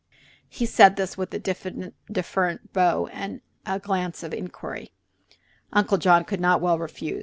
He said this with a defferent bow and a glance of inquiry. Uncle John could not well refuse.